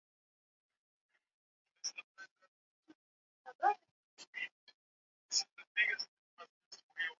jamhuri ya kidemokrasia ya Kongo linaishutumu Rwanda